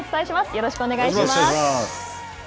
よろしくお願いします。